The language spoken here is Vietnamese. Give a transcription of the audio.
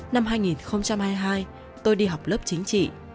năm hai nghìn hai mươi hai tôi đi học lớp chính trị